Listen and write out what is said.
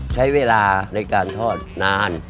ใช้เวลาในการทอดนาน